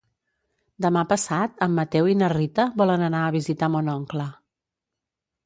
Demà passat en Mateu i na Rita volen anar a visitar mon oncle.